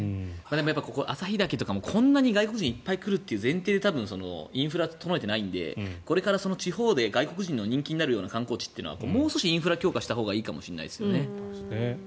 旭岳とかもこんなに外国人観光客がいっぱい来る前提でインフラを整えていないのでこれから地方で外国人に人気になる観光地というのはもう少しインフラ強化をしたほうがいいかもしれませんね。